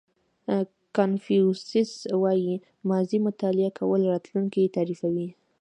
کانفیوسیس وایي ماضي مطالعه کول راتلونکی تعریفوي.